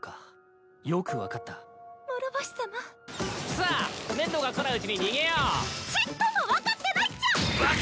さあ面堂が来ないうちに逃げよう！ちっとも分かってないっちゃ！